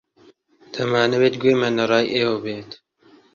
دەمانەوێت گوێمان لە ڕای ئێوە بێت.